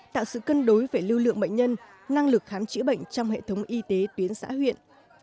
tạo sự cân đối về lưu lượng bệnh nhân năng lực khám chữa bệnh trong hệ thống y tế tuyến xã huyện